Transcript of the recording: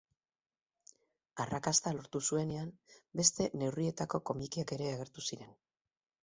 Arrakasta lortu zuenean beste neurrietako komikiak ere agertu ziren.